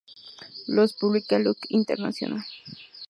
Los publica Luk Internacional.